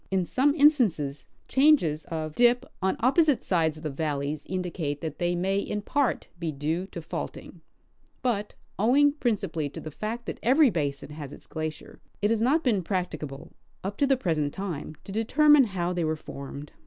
In some instances, changes of dijj on opposite sides of the valleys indicate that they may in part be due to faulting ; but, owing principally to the fact that every basin has its glacier, it has not been practicable, up to the present time, to determine how they were formed.